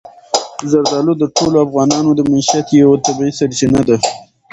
زردالو د ټولو افغانانو د معیشت یوه طبیعي سرچینه ده.